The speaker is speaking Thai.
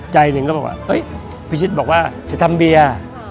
ใจหนึ่งก็บอกว่าพิชิตบอกว่าจะทำเบียร์